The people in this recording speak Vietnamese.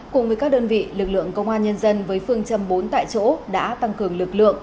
cùng với các đơn vị lực lượng công an nhân dân với phương châm bốn tại chỗ đã tăng cường lực lượng